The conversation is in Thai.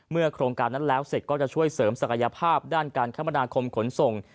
โครงการนั้นแล้วเสร็จก็จะช่วยเสริมศักยภาพด้านการคมนาคมขนส่ง